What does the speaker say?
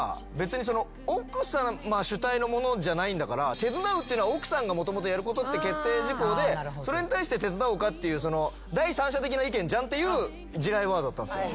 手伝うってのは奥さんがもともとやることって決定事項でそれに対して手伝おうかっていう第三者的な意見じゃん？っていう地雷ワードだったんです。